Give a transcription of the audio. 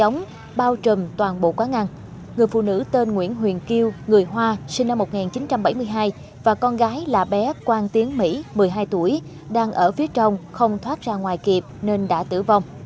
người hoa sinh năm một nghìn chín trăm bảy mươi hai và con gái là bé quang tiến mỹ một mươi hai tuổi đang ở phía trong không thoát ra ngoài kịp nên đã tử vong